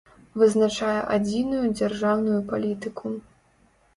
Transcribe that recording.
Вызначае адзiную дзяржаўную палiтыку.